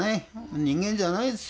人間じゃないですよ